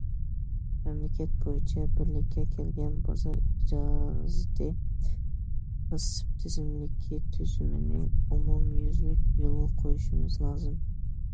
مەملىكەت بويىچە بىرلىككە كەلگەن بازار ئىجازىتى پاسسىپ تىزىملىكى تۈزۈمىنى ئومۇميۈزلۈك يولغا قويۇشىمىز لازىم.